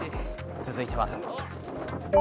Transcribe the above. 続いては。